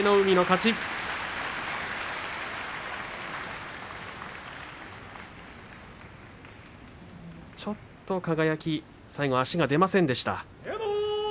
ちょっと輝最後、足が出ませんでした。